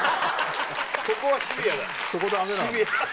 そこはシビアだ。